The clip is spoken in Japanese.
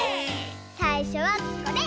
さいしょはこれ！